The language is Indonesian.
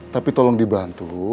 tapi tolong dibantu